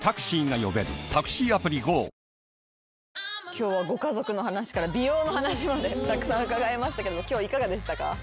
今日はご家族の話から美容の話までたくさん伺いましたけど今日いかがでしたか？